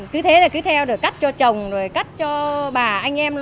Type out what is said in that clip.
cứ thế là cứ theo được cắt cho chồng rồi cắt cho bà anh em